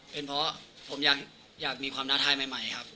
เป็นเพราะผมอยากมีความท้าทายใหม่ครับ